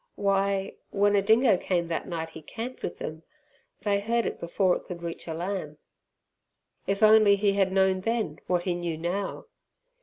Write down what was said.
Why, when a dingo came that night he camped with them, they heard it before it could reach a lamb. If only he had known then what he knew now!